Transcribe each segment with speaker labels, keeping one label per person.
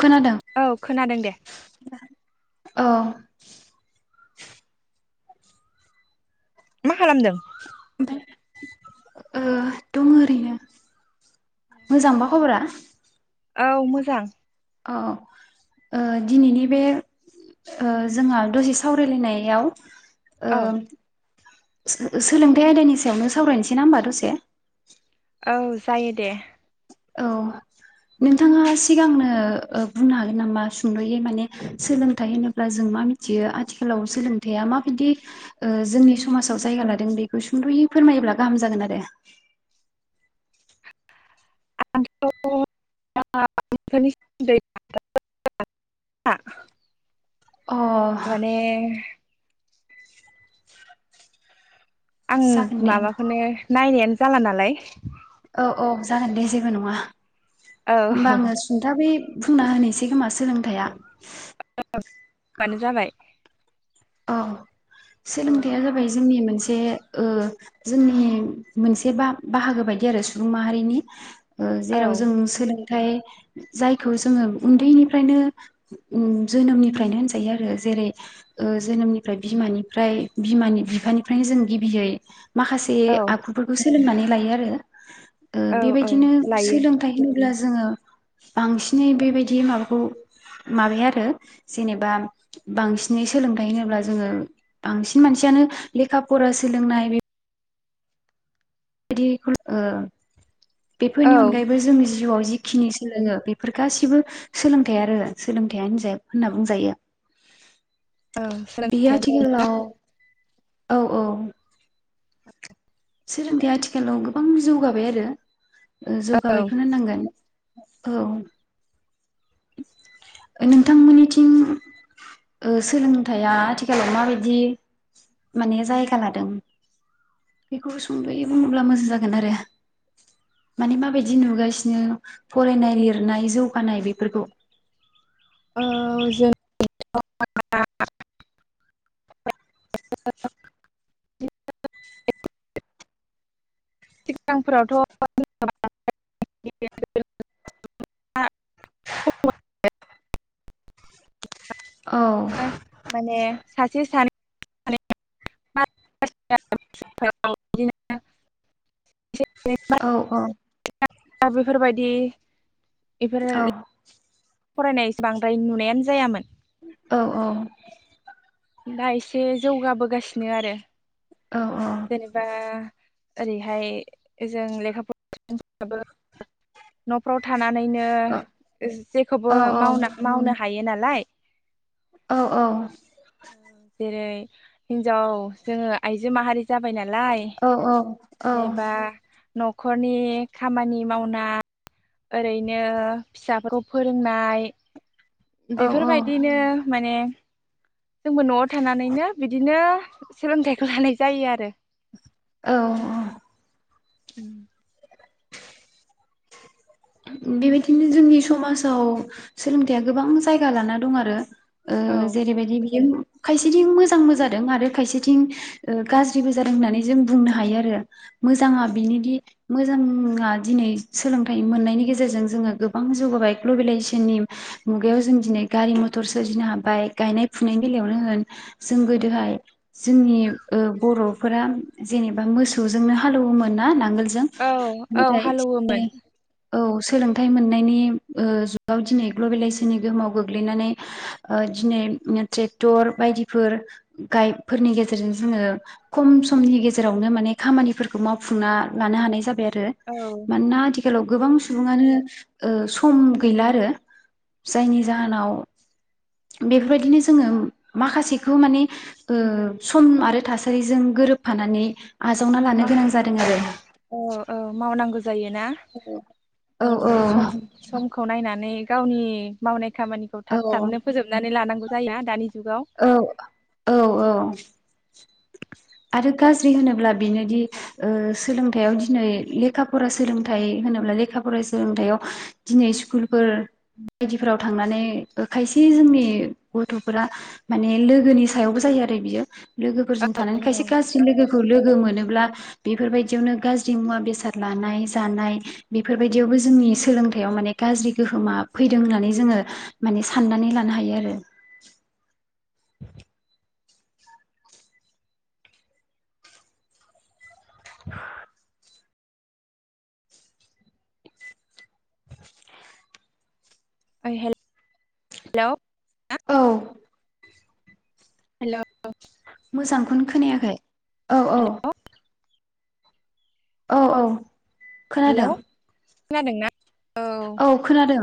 Speaker 1: खोनादों
Speaker 2: औ खोनादों दे।
Speaker 1: औ
Speaker 2: मा खालामदों
Speaker 1: ओमफाय ओ दङ ओरैनो। मोजांबा खबरा [unintelligible]
Speaker 2: औ मोजां
Speaker 1: औ ओ दिनैनि बे जोंहा दसे सावरायलायनायाव ओ
Speaker 2: औ
Speaker 1: सो सोलोंथाइ आयदानि सायावनो सावरायनोसै ना होमबा दसे
Speaker 2: औ जायो दे।
Speaker 1: औ नोंथाङा सिगांनो बुंनो हागोन नामा सुंद'यै माने सोलोंथाइ होनोब्ला जों मा मिथियो आथिखालाव सोलोंथायाइया माबायदि ओ जोंनि समाजाव जायगा लादों बेखौ सुंद'यै फोरमायोब्ला गाहाम जागोन आरो।
Speaker 2: [unintelligible]
Speaker 1: अ
Speaker 2: माने आं
Speaker 1: जागोन दे
Speaker 2: माबाखौनो नाय नायानो जाला नालाय।
Speaker 1: औ औ जागोन दे जेबो नङा।
Speaker 2: औ
Speaker 1: होमबा आङो सुंथाबै बुंना होनोसै। से खोमा सोलोंथाइया
Speaker 2: बानो जाबाय
Speaker 1: औ
Speaker 2: औ
Speaker 1: सोलोंथाइया जाबाय जोंनि मोनसे से ओ जोंनि मोनसे बा बाहागो बायदि आरो सुबुं माहारिनि
Speaker 2: औ
Speaker 1: जेराव जों सोलों ओमफ्राय जायखौ जोङो उन्दैनिफ्रायनो ओम जोनोमनिफ्रायनो होनजायो आरो जेरै जोनोमनिफ्राय बिमानिफ्राय बिमानि बिफानिफ्रायनो जों गिबियै माखासे
Speaker 2: औ
Speaker 1: आखुफोरखौ सोलोंनानै लायो आरो ओ
Speaker 2: औ
Speaker 1: बेबायदिनो
Speaker 2: लायो
Speaker 1: सोलोंथाइ होन अब्ला जोङो बांसिनै बेबायदि माबाखौ माबाया आरो जेनेबा बांसिनै सोलोंथाइ होनोब्ला जोङो बांसिन मानसियानो लेखा फरा सोलोंनाय बे बिदि खौल' ओ बेफोरनि
Speaker 2: औ
Speaker 1: अनगायैबो जोंनि जिउआव जिखिनि सोलोङो बेफोर गासिबो सोलोंथाइ आरो सोलोंथाइ होनजा होनना बुंजायो
Speaker 2: औ
Speaker 1: बेयो
Speaker 2: सोलोंथाइ
Speaker 1: आथिखालाव औ औ सोलोंथाया आथिखालाव गोबां जौगाबाय आरो ओ
Speaker 2: औ
Speaker 1: जौगाबायखोनो होनांगोन औ ओ नोंथांमोननिथिं ओ सोलोंथाया आथिखालाव माबायदि माने जायगा लादों बेखौ सुंद'यै बुङोब्ला मोजां जागोन आरो माने माबायदि नुगासिनो फरायनाय लिरनाय जौगानाय बे फोरखौ
Speaker 2: ओ जों [inaudible] सिगां फोरावथ' [inaudible] माने
Speaker 1: औ
Speaker 2: सासे सान [inaudible]
Speaker 1: औ औ
Speaker 2: दा बेफोरबायदि इफोर
Speaker 1: [inaudible]
Speaker 2: फरायनाय इस बांद्राय नुनायानो जायामोन
Speaker 1: औ औ
Speaker 2: दा इसे जौगाबोगासिनो आरो
Speaker 1: औ
Speaker 2: जेनेबा ओरैहाय जों लेखा [inaudible] न'फ्राव थानानैनो
Speaker 1: औ
Speaker 2: जेखौबो
Speaker 1: औ
Speaker 2: मावना मावनो हायो ना लाय
Speaker 1: औ
Speaker 2: ओ जेरै हिनजाव जोङो आइजो माहारि जाबायना
Speaker 1: औ औ औ
Speaker 2: न'खरनि खामानि मावना ओरैनो फिसाफोरखौ फोरोंनाय
Speaker 1: औ
Speaker 2: बेफोरबायदिनो माने जोंबो न'आव थानानैनो बिदिनो सोलोंथाइखौ लानाय जायो आरो।
Speaker 1: औ औ
Speaker 2: उम
Speaker 1: बेबायदिनो जोंनि समासाव सोलोंथाइआ गोबां जायगा लाना दं आरो। ओ
Speaker 2: औ
Speaker 1: जेरैबायदि बियो। खायसेथिं मोजांबो जादों आरो खायसेथिं ओ गाज्रिबो जादों होननानै जों बुंनो हायो आरो। मोजाङा
Speaker 2: औ
Speaker 1: बिनिदि मोजाङा दिनै सोलोंथाइ मोननायनि गेजेरजों जोङो गोबां जौगाबाय ग्लबेलाइजेसननि मुगायाव जों दिनै गारि मथर सोरजिनो हाबाय गायनाय फुनायनि बेलायावनो होन जोंनि ओ बर'फोरा जेनेबा मोसौजोंनो हालौयोमोन ना नांगोल
Speaker 2: औ औ हालौवोमोन।
Speaker 1: औ सोलोंथाइ मोननायनि ओ जुगाव दिनै ग्लबेलाइजेसननि गोहोमाव गोग्लैनानै ओ दिनै ट्रेक्टर बायदिफोर गाइ फोरनि गेजेरजों जोङो खम समनि गेजेरावनो माने खामानिफोरखौ मावफुंना लानो हानाय जाबाय आरो। रो
Speaker 2: औ
Speaker 1: मानोना आथि आथिखालाव गोबां सुबुङानो ओ सम गैला आरो जायनि जाहोनाव बेफोरबायदिनो जोङो माखासेखौ माने ओ सम आरो थासारिजों गोरोबफानानै आजावना लानो
Speaker 2: औ
Speaker 1: गोनां जादों आरो
Speaker 2: औ मावनांगौ जायो ना। औ सम समखौ नाय नानै गावनि मावनाय खामानिखौ
Speaker 1: औ
Speaker 2: थाब थाबनो फोजोबनानै लानांगौ। जायो ना दानि जुगाव
Speaker 1: औ औ औ [inaudible] आरो गाज्रि होनोब्ला बिनोदि ओ सोलोंथाइयाव दिनै लेखा फरा सोलोंथाइ होनोब्ला लेखा फरा सोलोंथाइयाव दिनै स्कुलफोर बायदिफोराव थांनानै खायसे जोंनि गथ'फोरा माने लोगोनि सायावबो जायो आरो बियो। लोगोफोरजों थानाय
Speaker 2: औ औ
Speaker 1: खायसे गाज्रि लोगोखौ लोगो मोनोब्ला बेफोरबायदियावनो गाज्रि मुवा बेसाद लानाय जानाय बेफोरबायदियावबो जोंनि सोलोंथायाइयाव माने गाज्रि गोहोमा फैदों होननानै जोङो माने साननानै लानो हायो आरो। [unintelligible]
Speaker 2: ओइ हेल लौ
Speaker 1: औ
Speaker 2: हेलौ
Speaker 1: मोजांखौनो खोनायाखै औ औ
Speaker 2: हेलौ
Speaker 1: औ औ खोनादों
Speaker 2: खोनादों ना
Speaker 1: औ खोनादों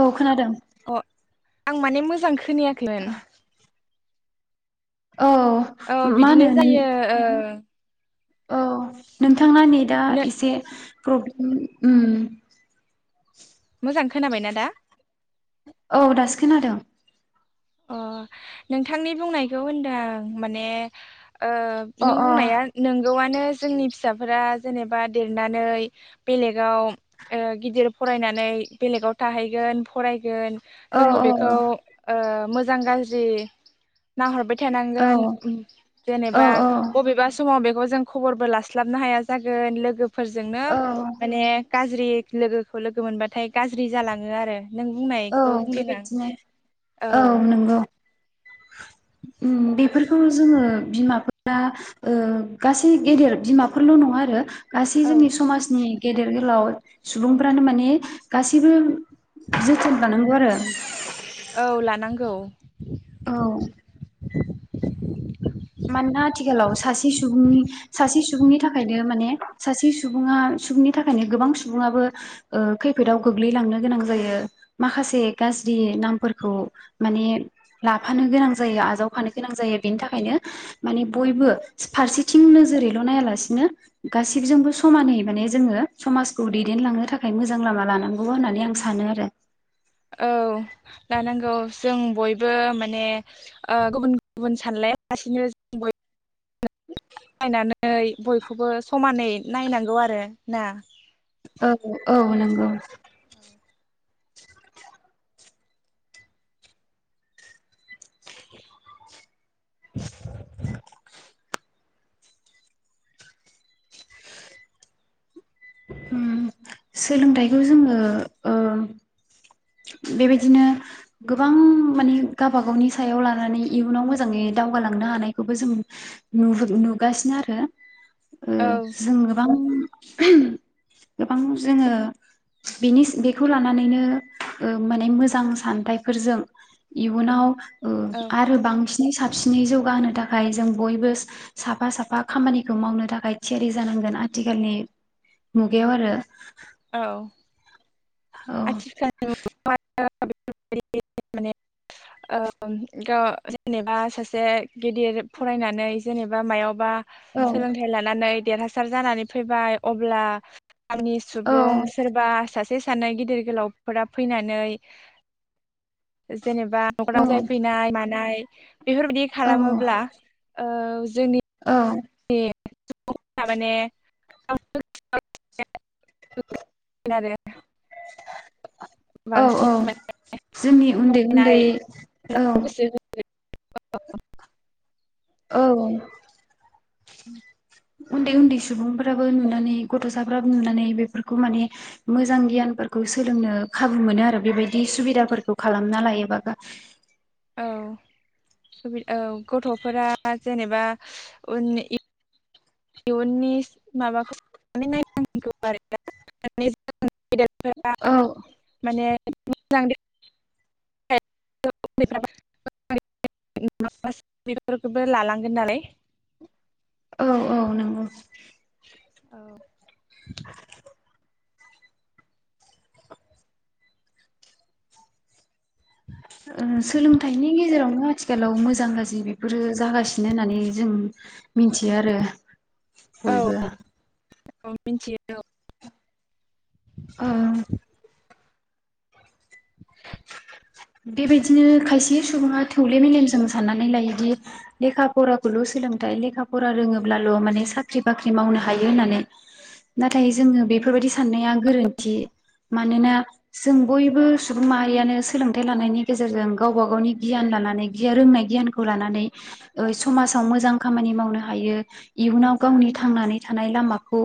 Speaker 1: औ खोनादों
Speaker 2: अ आं माने मोजां खो खोनायाखै
Speaker 1: औ
Speaker 2: औ
Speaker 1: मा
Speaker 2: बिदिनो
Speaker 1: होनो नों
Speaker 2: जायो ओं
Speaker 1: औ नों थांना नेदा
Speaker 2: नो
Speaker 1: एसे प्रब्लेम उम
Speaker 2: मोजां खोनाबायना दा
Speaker 1: औ दासो खोनादों
Speaker 2: अ नोंथांनि बुंनायखौ होनदों आं माने ओ
Speaker 1: अ
Speaker 2: नों
Speaker 1: अ
Speaker 2: बुंनाया नोंगौ आनो नो जोंनि फिसाफोरा जेनेबा देरनानै बेलेगाव ओ गिदिर फरायनानै बेलेगाव थाहैगोन फरायगोन
Speaker 1: औ
Speaker 2: जोंबो बेखौ ओ मोजां गाज्रि नाहरबाय
Speaker 1: औ
Speaker 2: थानांगोन
Speaker 1: औ
Speaker 2: जेनेबा बबेबा समाव बेखौ जों खबरबो लास्लाबनो हाया जागोन लोगो फोरजोंनो
Speaker 1: औ
Speaker 2: माने गाज्रि लोगोखौ लोगो मोनबाथाय गाज्रि जालाङो आरो नों
Speaker 1: औ
Speaker 2: बुंनायखौ बुंदों आं
Speaker 1: बेबायदिनो औ नंगौ उम बेफोर खौ‌ जोङो बिमाफोर दा ओ गासै गेदेर बिमाफोरल' नङा आरो गासै
Speaker 2: औ
Speaker 1: जोंनि समाजनि गेदेर गोलाव सुबुंफ्रानो माने गासैबो जोथोन लानांगौ आरो
Speaker 2: औ लानांगौ
Speaker 1: औ
Speaker 2: [inaudible]
Speaker 1: मानोना आथिखालाव सासे सुबुंनि सासे सु सुबुंनि थाखायनो माने सासे सुबुङा सुबुंनि थाखायनो गोबां सुबुङाबो ओ खैफोदाव गोग्लैलांनो गोनां जायो माखासे गाज्रि नामफोरखौ माने लाफानो गोनां जायो आजावफानो गोनां जायो बेनि थाखायनो माने बयबो फारसेथिं नोजोरैल' नायालासिनो गासिबजोंबो समानै माने जोङो समाजखौ दैदेनलांनो थाखाय मोजां लामा लानांगौ होननानै आं सानो आरो
Speaker 2: औ लानांगौ जों बयबो माने गुबुन गुबुन सानलायालासिनो जों बय नै बयखौबो समानै नायनांगौ आरो ना
Speaker 1: औ नंगौ औ [inaudible] उम सोलोंथाइखौ जोङो ओम बेबायदिनो गोबां माने गाबागावनि सायाव लानानै इयुनाव मोजाङै दावगालांनो हानायखौबो जों नुहु नुगासिनो आरो ओ
Speaker 2: औ
Speaker 1: जों गोबां गोबां जोङो बेनिस बेखौ लानानैनो ओ माने मोजां सान्थायफोरजों इयुनाव ओ
Speaker 2: औ
Speaker 1: आरो बांसि नि साबसिनै जौगाहोनो थाखाय जों बयबो साफा साफा खामानिखौ मावनो थाखाय थियारि जानांगोन आथिखालनि मुगायाव आरो
Speaker 2: औ [unintelligible] [unintelligible] जेनेबा सासे गिदिर फरायनानै जेनेबा मायावबा
Speaker 1: औ
Speaker 2: सोलोंथाय‌ लानानै देरहासार जानानै फैबाय अब्ला गामि
Speaker 1: औ
Speaker 2: सुबुं सोरबा सास से सानै गिद दिर गोलावफोरा फैनानै जेनेबा
Speaker 1: औ
Speaker 2: [unintelligible] जाय फैनाय मानाय [inaudible] बेफोरबायदि
Speaker 1: औ
Speaker 2: खालामोब्ला ओव जोनि
Speaker 1: औ
Speaker 2: [unintelligible]
Speaker 1: औ औ
Speaker 2: बांसिन
Speaker 1: जोंनि उन्दै उन्दै
Speaker 2: फरायनाय
Speaker 1: औ
Speaker 2: गोसो [unintelligible]
Speaker 1: औ उन्दै उन्दै सुबुंफ्राबो नुनानै गथ'साफ्राबो नुनानै बेफोरखौ माने मोजां गियानफोरखौ सोलोंनो खाबु मोनो आरो बेबायदि सुबिदाफोरखौ खालामना लायोबा गा
Speaker 2: औ सुबि औ गथ'फोरा जेनेबा उनि इ इयुननि माबाखौ
Speaker 1: औ
Speaker 2: [unintelligible] [unintelligible] माने [unintelligible] बेफोरखौथ' लालांगोन नालाय
Speaker 1: औ औ नोंगौ
Speaker 2: औ [inaudible]
Speaker 1: ओ सोलोंथाइनि गेजेरावनो आथिखालाव मोजां गाज्रि बेफोरो जागासिनो होननानै जों मिनथियो आरो बयबो
Speaker 2: औ [unintelligible]
Speaker 1: आह बेबायदिनो खायसे सुबुङा थौले मेलेमजों साननानै लायोदि लेखा फराखौल' सोलोंथाइ लेखा फरा रोङोब्लाल' माने साख्रि बाख्रि मावनो हायो होननानै नाथाय जोङो बेफोरबायदि साननाया गोरोन्थि मानोना जों बयबो सु सुबुं माहारियानो सोलोंथाइ लानायनि गेजेरजों गावबा गावनि गियान लानानै गिया रोंनाय गियानखौ लानानै ओइ समाजाव मोजां खामानि मावनो हायो इयुनाव गावनि थांनानै थानाय लामाखौ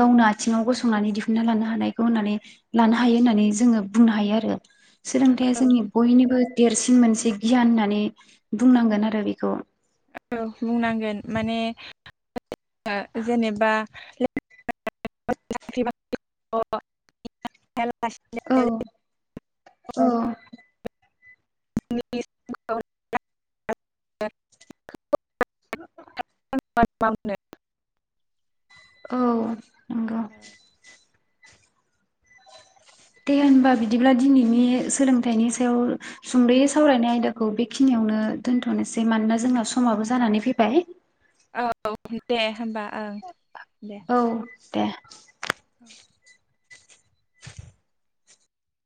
Speaker 1: गावनो आथिङाव गसंनानै दिहुनन्ना लानो हानायखौ होननानै लानो हायो होननानै जोङो बुंनो हायो आरो। सोलोंथाइया
Speaker 2: औ
Speaker 1: जोंनि बयनिबो देरस सिन मोनसे गियान होननानै बुंनांगोन आरो बेखौ
Speaker 2: औ बुंनांगोन माने [inaudible] जेनेबा ले [unintelligible]
Speaker 1: औ औ
Speaker 2: [unintelligible]
Speaker 1: [unintelligible]
Speaker 2: [unintelligible]
Speaker 1: औ नंगौ। दे होनबा बिदिब्ला दिनैनि सोलोंथाइनि सायाव सुंद'यै सावरायनाय आयदाखौ बेखिनियावनो दोन्थ'नोसै मानोना जोंना समाबो जानानै फैबाय।
Speaker 2: औ दे होमबा ओं दे
Speaker 1: औ दे
Speaker 2: औ